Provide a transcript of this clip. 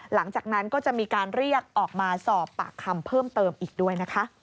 หลังจากนั้นก็จะมีการเรียกออกมาสอบปากคำเพิ่มเติมอีกด้วยนะคะ